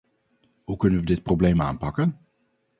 Hoe kunnen we dit probleem aanpakken?